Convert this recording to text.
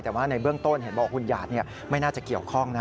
แต่ว่าในเบื้องต้นเห็นบอกคุณหยาดไม่น่าจะเกี่ยวข้องนะ